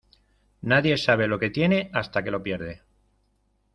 Nadie sabe lo que tiene hasta que lo pierde.